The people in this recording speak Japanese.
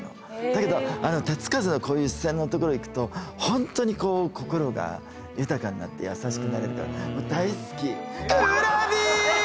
だけど手付かずのこういう自然の所へ行くと本当にこう心が豊かになって優しくなれるからもう大好き。